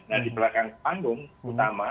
nah di belakang panggung utama